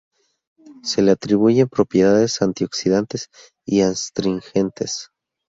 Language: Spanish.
Se le atribuyen propiedades antioxidantes y astringentes.